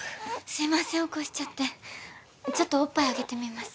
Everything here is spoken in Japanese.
すいません起こしちゃってちょっとおっぱいあげてみます